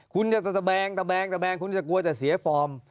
คุณจะเตาะฟรอม